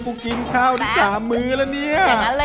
กูกินข้าวทั้ง๓มื้อแล้วเนี่ย